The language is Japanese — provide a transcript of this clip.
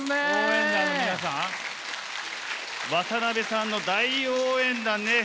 渡辺さんの大応援団ね。